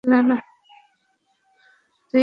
তুই এসব কেনো লিখছিস?